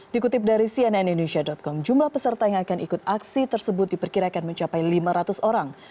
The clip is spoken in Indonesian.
dikutip dari cnn indonesia com jumlah peserta yang akan ikut aksi tersebut diperkirakan mencapai lima ratus orang